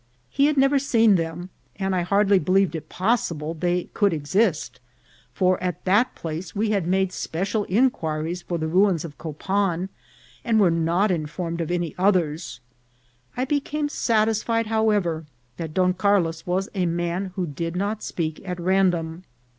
He had never seen them, and I hardly believed it possible they could exist, for at that place we had made special inquiries for the ruins of Copan, and were not informed of any oth ers. I became satisfied, however, that Don Carlos was a man who did not speak at random.